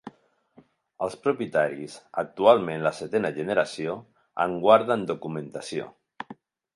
Els propietaris, actualment la setena generació, en guarden documentació.